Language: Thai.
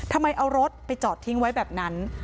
ทำไมเอารถไปจอดทิ้งไว้แบบนั้น